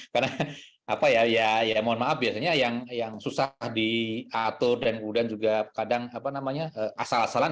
karena ya mohon maaf biasanya yang susah diatur dan kemudian juga kadang asal asalan